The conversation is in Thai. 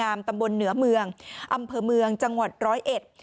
ตำบลเหนือเมืองอำเภอเมืองจังหวัดร้อยเอ็ด